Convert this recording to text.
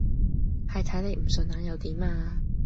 係睇你唔順眼又點呀！